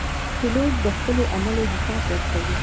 پیلوټ د خپلو عملو حساب ورکوي.